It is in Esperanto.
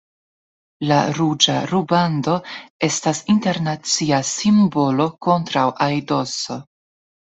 La ruĝa rubando estas internacia simbolo kontraŭ aidoso.